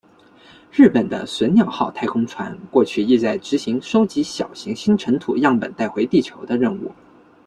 日本的隼鸟号太空船过去亦在执行收集小行星尘土的样本带回地球的任务。